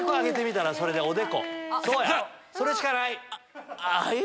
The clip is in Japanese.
それしかない！